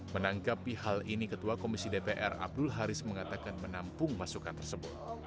menanggapi hal ini ketua komisi dpr abdul haris mengatakan menampung masukan tersebut